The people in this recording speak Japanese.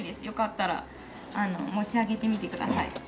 よかったら持ち上げてみてください。